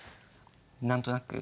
何となく？